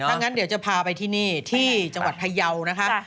ถ้างั้นเดี๋ยวจะพาไปที่นี่ที่จังหวัดพยาวนะคะ